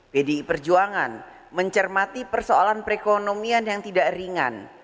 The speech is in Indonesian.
pdi perjuangan mencermati persoalan perekonomian yang tidak ringan